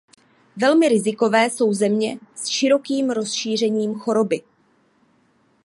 Velmi rizikové jsou země s širokým rozšířením choroby.